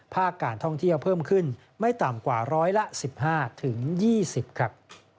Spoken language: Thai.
การท่องเที่ยวเพิ่มขึ้นไม่ต่ำกว่าร้อยละ๑๕๒๐ครับ